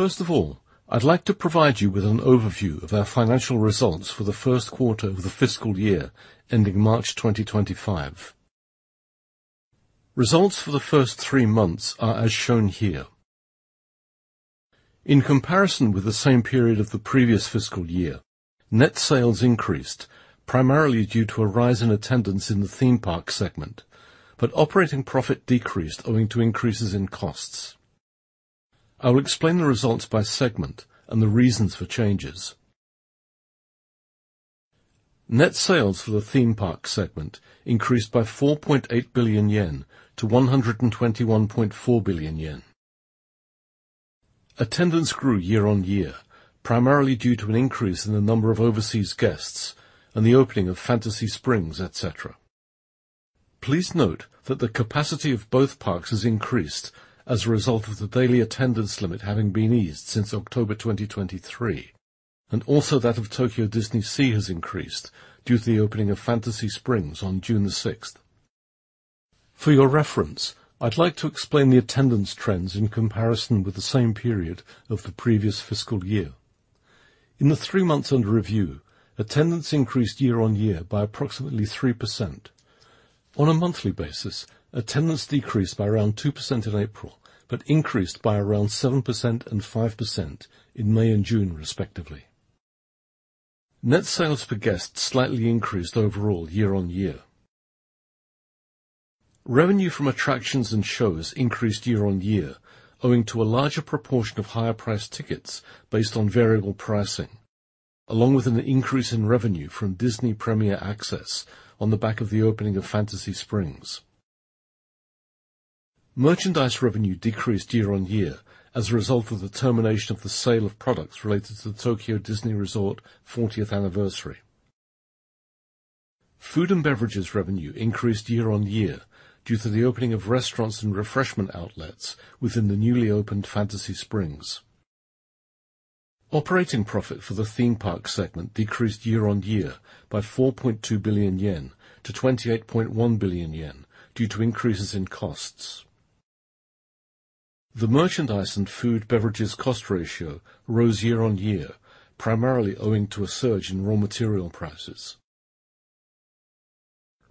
First of all, I'd like to provide you with an overview of our financial results for the first quarter of the fiscal year ending March 2025. Results for the first three months are as shown here. In comparison with the same period of the previous fiscal year, net sales increased, primarily due to a rise in attendance in the theme park segment, but operating profit decreased owing to increases in costs. I will explain the results by segment and the reasons for changes. Net sales for the theme park segment increased by 4.8 billion yen to 121.4 billion yen. Attendance grew year-on-year, primarily due to an increase in the number of overseas guests and the opening of Fantasy Springs, et cetera. Please note that the capacity of both parks has increased as a result of the daily attendance limit having been eased since October 2023, and also that of Tokyo DisneySea has increased due to the opening of Fantasy Springs on June 6th. For your reference, I'd like to explain the attendance trends in comparison with the same period of the previous fiscal year. In the three months under review, attendance increased year-on-year by approximately 3%. On a monthly basis, attendance decreased by around 2% in April, but increased by around 7% and 5% in May and June respectively. Net sales per guest slightly increased overall year-on-year. Revenue from attractions and shows increased year-on-year, owing to a larger proportion of higher-priced tickets based on variable pricing, along with an increase in revenue from Disney Premier Access on the back of the opening of Fantasy Springs. Merchandise revenue decreased year-on-year as a result of the termination of the sale of products related to the Tokyo Disney Resort 40th anniversary. Food and beverages revenue increased year-on-year due to the opening of restaurants and refreshment outlets within the newly opened Fantasy Springs. Operating profit for the theme park segment decreased year-on-year by 4.2 billion yen to 28.1 billion yen due to increases in costs. The merchandise and food/beverages cost ratio rose year-on-year, primarily owing to a surge in raw material prices.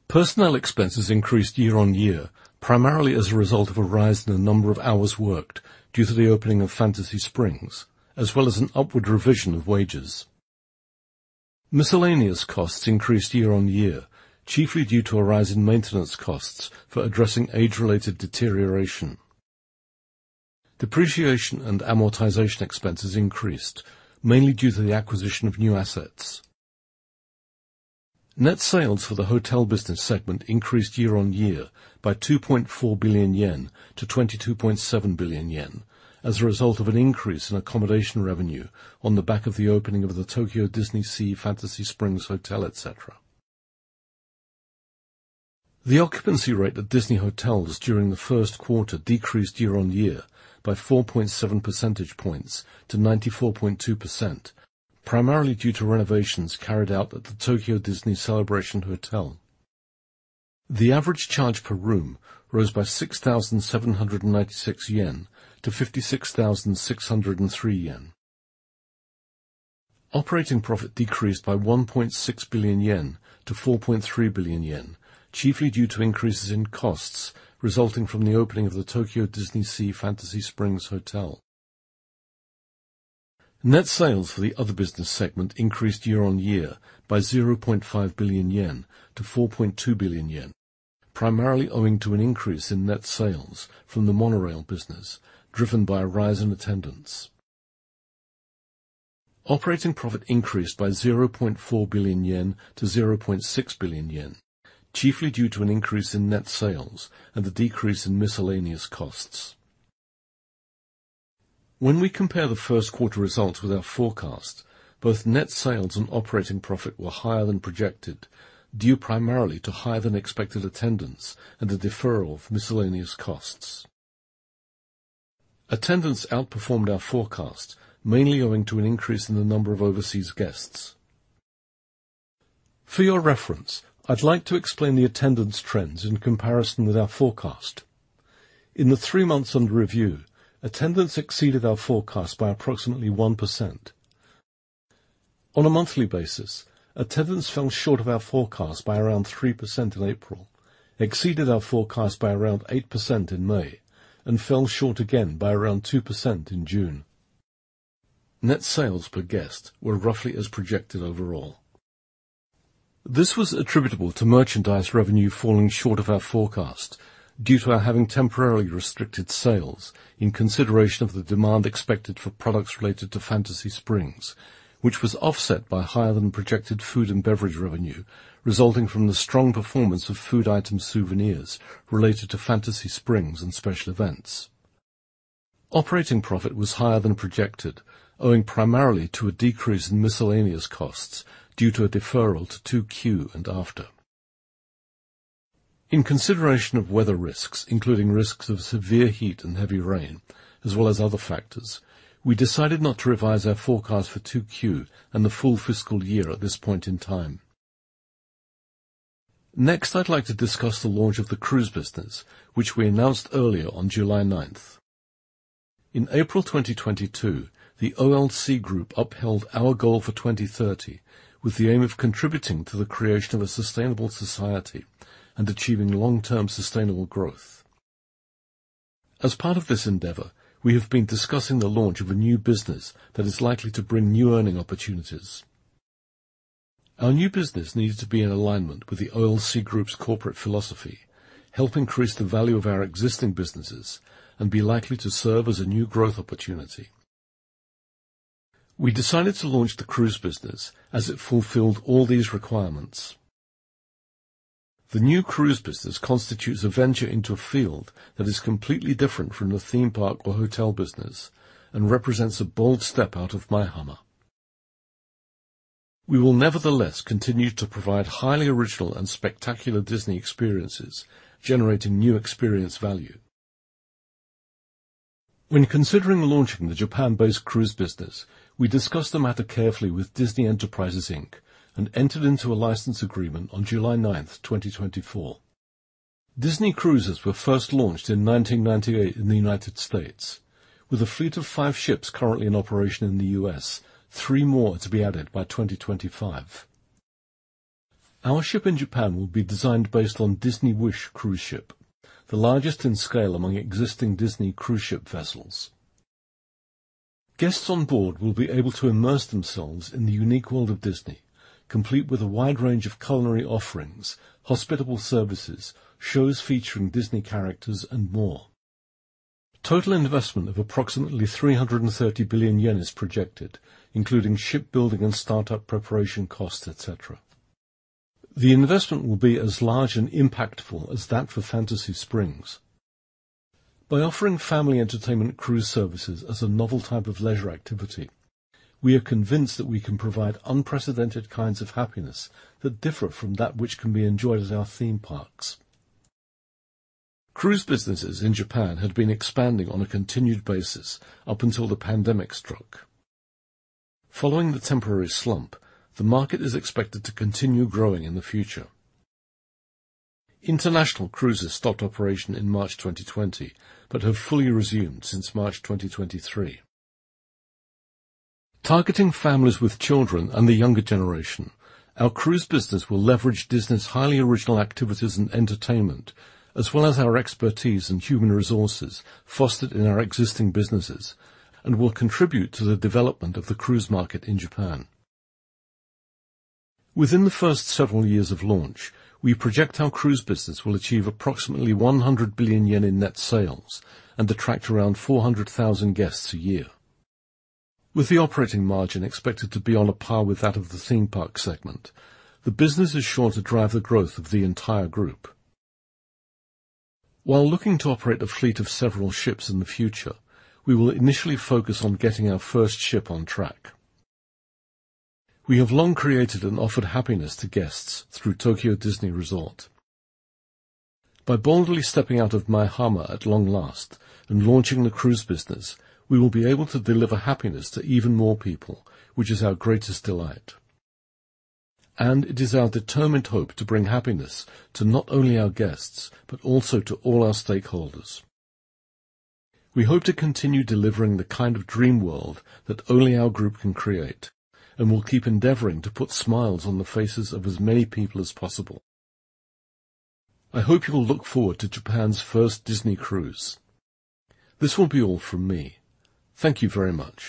Personnel expenses increased year-on-year, primarily as a result of a rise in the number of hours worked due to the opening of Fantasy Springs, as well as an upward revision of wages. Miscellaneous costs increased year-on-year, chiefly due to a rise in maintenance costs for addressing age-related deterioration. Depreciation and amortization expenses increased, mainly due to the acquisition of new assets. Net sales for the hotel business segment increased year-on-year by 2.4 billion yen to 22.7 billion yen as a result of an increase in accommodation revenue on the back of the opening of the Tokyo DisneySea Fantasy Springs Hotel, et cetera. The occupancy rate at Disney Hotels during the first quarter decreased year-on-year by 4.7 percentage points to 94.2%, primarily due to renovations carried out at the Tokyo Disney Celebration Hotel. The average charge per room rose by 6,796 yen to 56,603 yen. Operating profit decreased by 1.6 billion yen to 4.3 billion yen, chiefly due to increases in costs resulting from the opening of the Tokyo DisneySea Fantasy Springs Hotel. Net sales for the other business segment increased year-on-year by 0.5 billion yen to 4.2 billion yen, primarily owing to an increase in net sales from the monorail business, driven by a rise in attendance. Operating profit increased by 0.4 billion yen to 0.6 billion yen, chiefly due to an increase in net sales and the decrease in miscellaneous costs. When we compare the first quarter results with our forecast, both net sales and operating profit were higher than projected, due primarily to higher-than-expected attendance and a deferral of miscellaneous costs. Attendance outperformed our forecast, mainly owing to an increase in the number of overseas guests. For your reference, I'd like to explain the attendance trends in comparison with our forecast. In the three months under review, attendance exceeded our forecast by approximately 1%. On a monthly basis, attendance fell short of our forecast by around 3% in April, exceeded our forecast by around 8% in May, and fell short again by around 2% in June. Net sales per guest were roughly as projected overall. This was attributable to merchandise revenue falling short of our forecast due to our having temporarily restricted sales in consideration of the demand expected for products related to Fantasy Springs, which was offset by higher-than-projected food and beverage revenue resulting from the strong performance of food item souvenirs related to Fantasy Springs and special events. Operating profit was higher than projected, owing primarily to a decrease in miscellaneous costs due to a deferral to 2Q and after. In consideration of weather risks, including risks of severe heat and heavy rain, as well as other factors, we decided not to revise our forecast for 2Q and the full fiscal year at this point in time. I'd like to discuss the launch of the cruise business, which we announced earlier on July 9th. In April 2022, the OLC Group upheld our goal for 2030 with the aim of contributing to the creation of a sustainable society and achieving long-term sustainable growth. As part of this endeavor, we have been discussing the launch of a new business that is likely to bring new earning opportunities. Our new business needs to be in alignment with the OLC Group's corporate philosophy, help increase the value of our existing businesses, and be likely to serve as a new growth opportunity. We decided to launch the cruise business as it fulfilled all these requirements. The new cruise business constitutes a venture into a field that is completely different from the theme park or hotel business and represents a bold step out of Maihama. We will nevertheless continue to provide highly original and spectacular Disney experiences, generating new experience value. When considering launching the Japan-based cruise business, we discussed the matter carefully with Disney Enterprises, Inc., and entered into a license agreement on July 9th, 2024. Disney Cruises were first launched in 1998 in the U.S. with a fleet of five ships currently in operation in the U.S., three more to be added by 2025. Our ship in Japan will be designed based on Disney Wish cruise ship, the largest in scale among existing Disney cruise ship vessels. Guests on board will be able to immerse themselves in the unique world of Disney, complete with a wide range of culinary offerings, hospitable services, shows featuring Disney characters, and more. Total investment of approximately 330 billion yen is projected, including shipbuilding and startup preparation costs, et cetera. The investment will be as large and impactful as that for Fantasy Springs. By offering family entertainment cruise services as a novel type of leisure activity, we are convinced that we can provide unprecedented kinds of happiness that differ from that which can be enjoyed at our theme parks. Cruise businesses in Japan had been expanding on a continued basis up until the pandemic struck. Following the temporary slump, the market is expected to continue growing in the future. International cruises stopped operation in March 2020, but have fully resumed since March 2023. Targeting families with children and the younger generation, our cruise business will leverage Disney's highly original activities and entertainment, as well as our expertise and human resources fostered in our existing businesses, and will contribute to the development of the cruise market in Japan. Within the first several years of launch, we project our cruise business will achieve approximately 100 billion yen in net sales and attract around 400,000 guests a year. With the operating margin expected to be on par with that of the theme park segment, the business is sure to drive the growth of the entire group. While looking to operate a fleet of several ships in the future, we will initially focus on getting our first ship on track. We have long created and offered happiness to guests through Tokyo Disney Resort. By boldly stepping out of Maihama at long last and launching the cruise business, we will be able to deliver happiness to even more people, which is our greatest delight. It is our determined hope to bring happiness to not only our guests, but also to all our stakeholders. We hope to continue delivering the kind of dream world that only our group can create, and will keep endeavoring to put smiles on the faces of as many people as possible. I hope you will look forward to Japan's first Disney cruise. This will be all from me. Thank you very much.